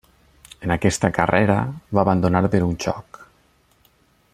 En aquesta carrera va abandonar per un xoc.